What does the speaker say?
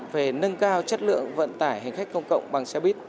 về nâng cao chất lượng vận tải hành khách công cộng bằng xe buýt